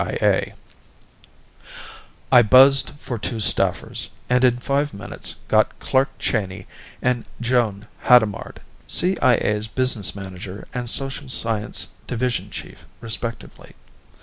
I buzzed for two staffers, and in five minutes got Clark Cheyney and Joan Hadamard, CIA's business manager and social science division chief respectively.